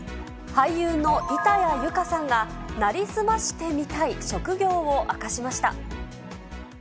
俳優の板谷由夏さんが成り済ましてみたい職業を明かしました。